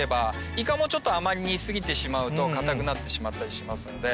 イカも煮過ぎてしまうと硬くなってしまったりしますので。